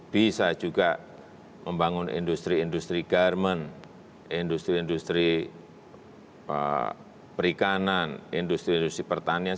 bisa juga membangun industri industri garmen industri industri perikanan industri industri pertanian